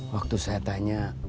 waktu saya tanya